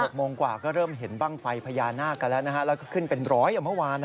หกโมงกว่าก็เริ่มเห็นปลางไฟพญานาคแล้วก็ขึ้นเป็นร้อยเมื่อวาน